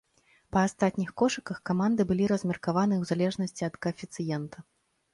Па астатніх кошыках каманды былі размеркаваны ў залежнасці ад каэфіцыента.